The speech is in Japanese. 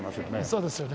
そうですよね。